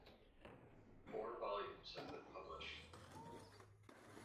Four volumes have been published.